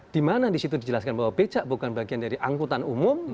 di mana di situ dijelaskan bahwa becak bukan bagian dari angkutan umum